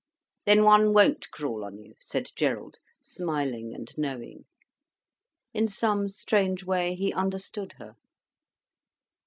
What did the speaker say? "Then one won't crawl on you," said Gerald, smiling and knowing. In some strange way he understood her.